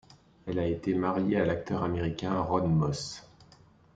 Elle a été mariée à l'acteur américain Ronn Moss.